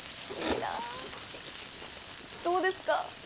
どうですか？